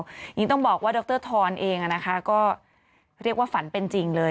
อย่างนี้ต้องบอกว่าดรทรเองก็เรียกว่าฝันเป็นจริงเลย